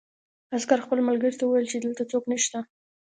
عسکر خپل ملګري ته وویل چې دلته څوک نشته